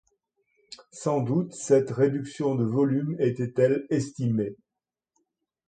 Sans doute cette réduction de volume était-elle estimée.